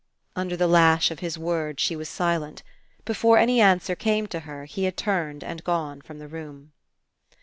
Under the lash of his words she was silent. Before any answer came to her, he had turned and gone from the room.